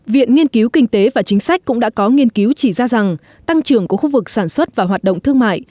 viện nghiên cứu kinh tế và chính sách cũng đã có nghiên cứu chỉ ra rằng tăng trưởng của khu vực sản xuất và hoạt động thương mại